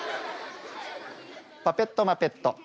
パペットマペット。